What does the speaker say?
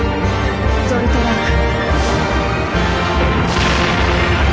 ゾルトラーク。